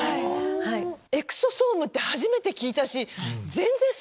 エクソソームって初めて聞いたし。